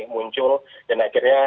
muncul dan akhirnya